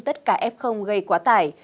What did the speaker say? tất cả f gây quá tải